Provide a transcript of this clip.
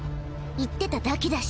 言ってただけだし。